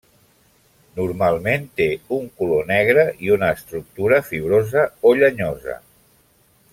Normalment té un color negre i una estructura fibrosa o llenyosa.